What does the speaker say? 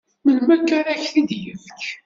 Melmi ara ak-t-id-yefk?